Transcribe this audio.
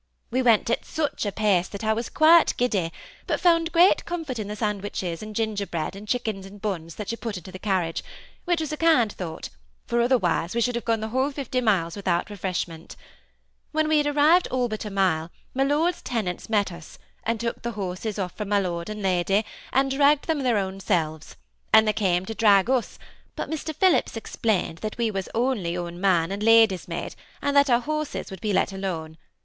We went at such a pace that I was quite giddy, but found great comfort in the sandwiches, and gingerbread, and chicken and buns you put into the carriage, which was a kind thought, for otherwise we should have gone the whole fifly miles without refresh m^it When we had arrived all but a mile, my Lord's tenants met us, and took the horses off from my Lord and Lady, and dragged them their own selves ; and they came to drag us, but Mr. Phillips explained that we was only own man and lady's maid, and that our horses were to be let alone.